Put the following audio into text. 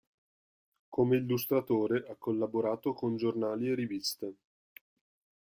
Come illustratore ha collaborato con giornali e riviste.